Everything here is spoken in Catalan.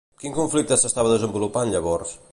Quin conflicte s'estava desenvolupant llavors?